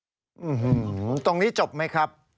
อื้อหือตรงนี้จบไหมครับ